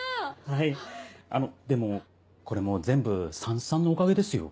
はいあのでもこれも全部さんしさんのおかげですよ。